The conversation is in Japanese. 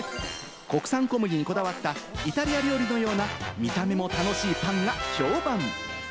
国産小麦にこだわったイタリア料理のような見た目も楽しいパンが評判。